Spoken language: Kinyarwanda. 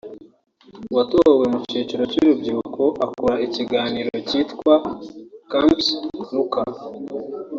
watowe mu cyiciro cy’urubyiruko akora ikiganiro cyitwa “Camps Luca”